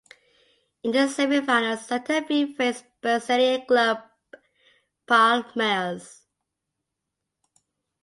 In the Semifinals, Santa Fe faced Brazilian club Palmeiras.